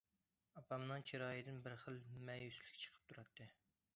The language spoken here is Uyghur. ئاپامنىڭ چىرايىدىن بىر خىل مەيۈسلۈك چىقىپ تۇراتتى.